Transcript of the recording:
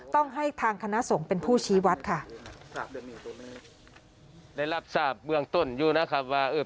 ต้องให้ทางคณะสงฆ์เป็นผู้ชี้วัดค่ะ